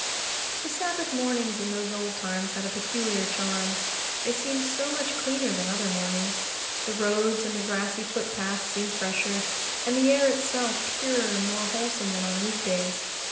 The Sabbath mornings in those old times had a peculiar charm. They seemed so much cleaner than other mornings! The roads and the grassy footpaths seemed fresher, and the air itself purer and more wholesome than on week days.